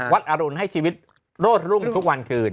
อรุณให้ชีวิตโรดรุ่มทุกวันคืน